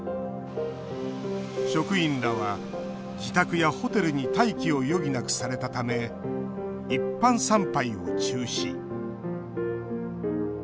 職員らは自宅やホテルに待機を余儀なくされたため一般参拝を中止。